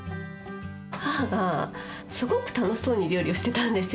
母がすごく楽しそうに料理をしてたんですよ。